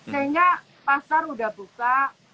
sehingga pasar sudah buka